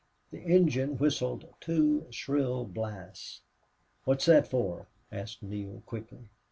The engine whistled two shrill blasts. "What's that for?" asked Neale, quickly.